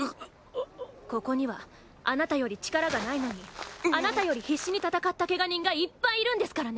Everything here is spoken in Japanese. ここにはあなたより力がないのにあなたより必死に戦ったケガ人がいっぱいいるんですからね。